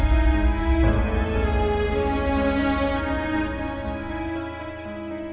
boleh dong rena